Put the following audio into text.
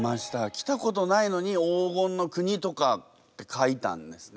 来たことないのに「黄金の国」とかって書いたんですね。